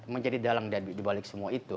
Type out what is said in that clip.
menjadi dalang dibalik semua itu